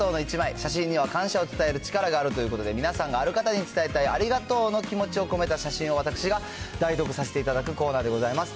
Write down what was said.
写真には感謝を伝える力があるということで、皆さんがある方に伝えたい、ありがとうの気持ちを込めた写真を私が代読させていただくコーナーでございます。